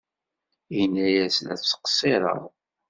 Ini-as la ttqeṣṣireɣ.